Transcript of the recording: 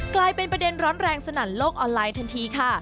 กลายเป็นประเด็นร้อนแรงสนั่นโลกออนไลน์ทันทีค่ะ